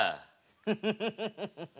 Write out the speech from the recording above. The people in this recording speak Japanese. フフフフフフフ。